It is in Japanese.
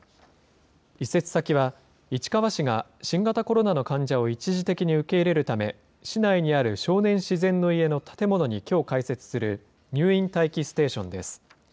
移設先は、市川市が新型コロナの患者を一時的に受け入れるため、市内にある少年自然の家の建物にきょう開設する、入院待機ステーションです。